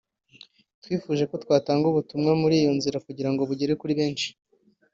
twifuza ko twatanga ubutumwa muri iyo nzira kugira ngo bugere kuri benshi”